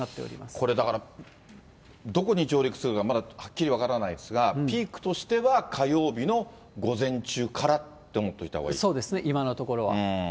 これ、だからどこに上陸するかまだはっきり分からないですが、ピークとしては、火曜日の午前中からと思っておいた方がいい？